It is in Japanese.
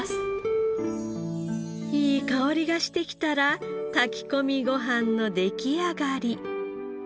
いい香りがしてきたら炊き込みご飯の出来上がり。